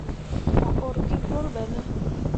Mo ur gi gur ɓene ?